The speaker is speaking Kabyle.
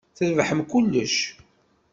Trebḥem kullec.